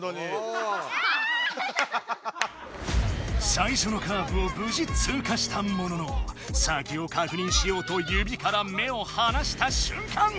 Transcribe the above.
最初のカーブをぶじつうかしたものの先をかくにんしようと指から目をはなしたしゅんかん。